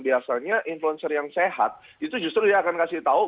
biasanya influencer yang sehat itu justru dia akan kasih tahu